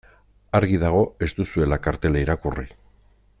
Argi dago ez duzuela kartela irakurri.